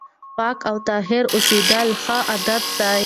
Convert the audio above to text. پاک او طاهر اوسېدل ښه عادت دی.